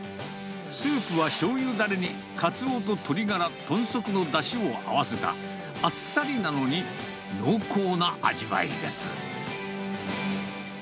スープはしょうゆだれにカツオと鶏ガラ、豚足のだしを合わせた、あっさりなのに濃厚な味わいです。